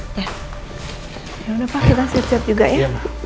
yaudah pak kita siap siap juga ya